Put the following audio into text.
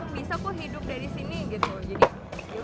bisa kok hidup dari sini gitu